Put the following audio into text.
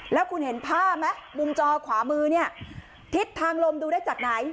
แล้วคุณเห็นภาพไหมมุมจอขวามือเนี่ยทิศทางลมดูได้จากไหน